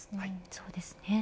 そうですね。